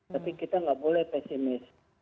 tapi kita nggak boleh pesimis